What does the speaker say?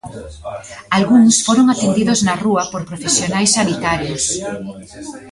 Algúns foron atendidos na rúa por profesionais sanitarios.